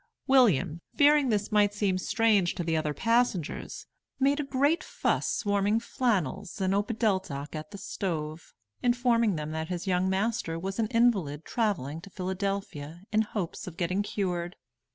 William, fearing this might seem strange to the other passengers, made a great fuss warming flannels and opodeldoc at the stove, informing them that his young master was an invalid travelling to Philadelphia in hopes of getting cured.